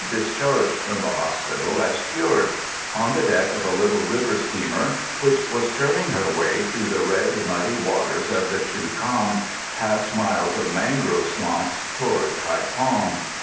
_, discharged from the hospital as cured on the deck of a little river steamer which was churning her way through the red, muddy waters of the Cua Cam, past miles of mangrove swamp, towards Haïphong.